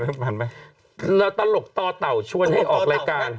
เราตลกตเต่าชวนให้ออกรายการ